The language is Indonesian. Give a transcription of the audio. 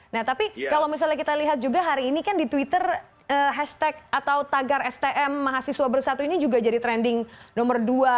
nah tapi kalau misalnya kita lihat juga hari ini kan di twitter hashtag atau tagar stm mahasiswa bersatu ini juga jadi trending nomor dua